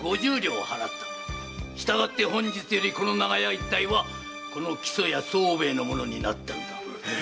したがって本日よりこの長屋一帯はこの木曽屋宗兵衛のものになったんだ。